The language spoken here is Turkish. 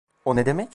O ne demek?